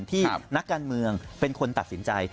ที่นักการเมืองเป็นคนตัดสินใจ